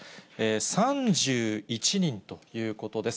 ３１人ということです。